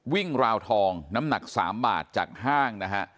วิ่งราวทองน้ำหนัก๓บาทจากห้าง